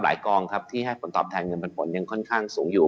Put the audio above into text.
กองครับที่ให้ผลตอบแทนเงินปันผลยังค่อนข้างสูงอยู่